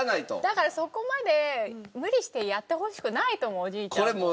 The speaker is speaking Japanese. だからそこまで無理してやってほしくないと思うおじいちゃんも。